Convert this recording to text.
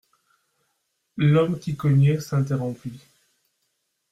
L'homme qui cognait s'interrompit.